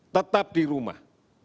tetap di rumah